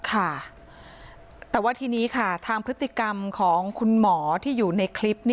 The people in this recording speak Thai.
ค่ะแต่ว่าทีนี้ค่ะทางพฤติกรรมของคุณหมอที่อยู่ในคลิป